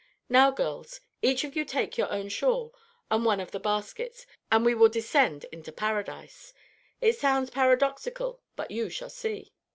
Now, girls, each of you take your own shawl and one of the baskets, and we will descend into Paradise. It sounds paradoxical, but you shall see."